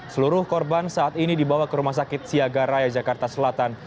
seluruh korban saat ini dibawa ke rumah sakit siaga raya jakarta selatan